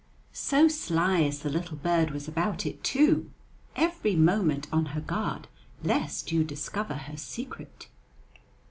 So sly as the little bird was about it, too, every moment on her guard lest you discover her secret!